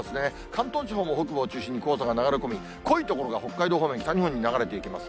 関東地方も北部を中心に黄砂が流れ込み、濃い所が北海道、北日本方面に流れていきます。